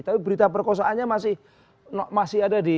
tapi berita perkosaannya masih ada di